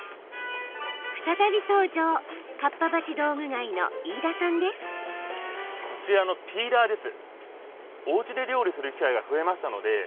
再び登場かっぱ橋道具街の飯田さんです。